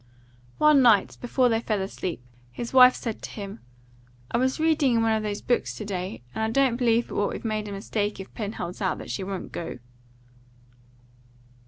One night, before they fell asleep, his wife said to him, "I was reading in one of those books to day, and I don't believe but what we've made a mistake if Pen holds out that she won't go."